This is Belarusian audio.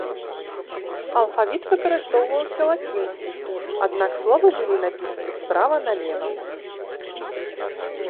Алфавіт выкарыстоўваўся лацінскі, аднак словы былі напісаны справа налева.